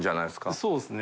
そうですね